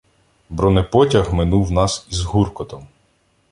Бронепотяг минув нас із гуркотом.